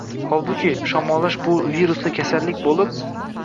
Holbuki, shamollash bu virusli kasallik bo‘lib